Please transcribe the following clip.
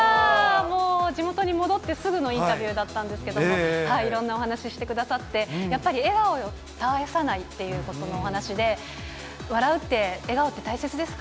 もう地元に戻ってすぐのインタビューだったんですけども、いろんなお話してくださって、やっぱり笑顔を絶やさないということのお話で、笑うって、笑顔って大切ですか？